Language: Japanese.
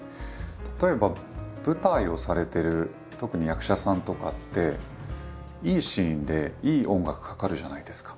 例えば舞台をされてる特に役者さんとかっていいシーンでいい音楽かかるじゃないですか。